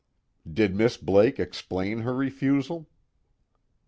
"Did Miss Blake explain her refusal?"